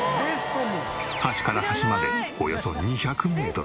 端から端までおよそ２００メートル。